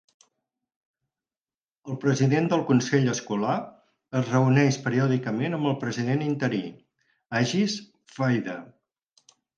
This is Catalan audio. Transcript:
El president del consell escolar es reuneix periòdicament amb el president interí, Ashish Vaidya.